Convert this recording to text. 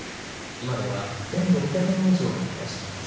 今では１６００人以上が暮らしています。